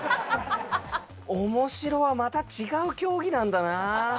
おもしろはまた違う競技なんだな。